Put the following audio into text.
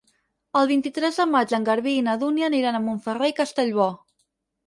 El vint-i-tres de maig en Garbí i na Dúnia aniran a Montferrer i Castellbò.